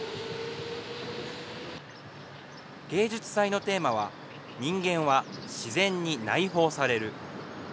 芸術祭のテーマは、人間は自然に内包される。